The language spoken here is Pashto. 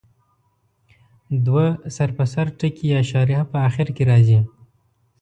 دوه سر په سر ټکي یا شارحه په اخر کې راځي.